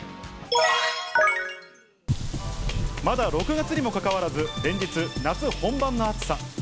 まだ６月にもかかわらず、連日、夏本番の暑さ。